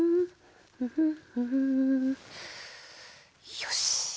よし。